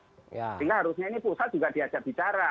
sehingga harusnya ini pusat juga diajak bicara